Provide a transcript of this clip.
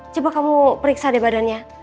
coba kamu periksa deh badannya